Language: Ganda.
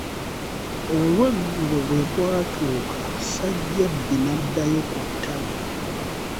Olweggulo bwe lwatuuka Ssajjabbi n'addayo ku ttale.